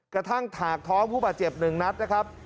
กระทั่งถากท้องผู้บาดเจ็บ๑นัทนะครับ